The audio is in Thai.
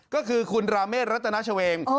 ก็คือคุณราเมสรัฐนาชวงศ์